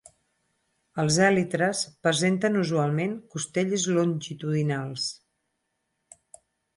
Els èlitres presenten usualment costelles longitudinals.